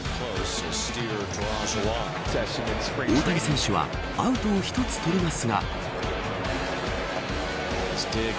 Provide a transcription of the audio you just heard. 大谷選手はアウトを１つ取りますが。